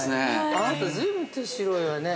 ◆あなた、随分手白いわね。